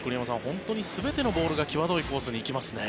本当に全てのボールが際どいコースに行きますね。